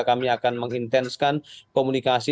kami akan mengintensikan komunikasi